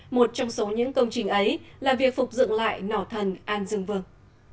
một trong số những công trình ấy là việc phục dựng lại nỏ thần an dương vương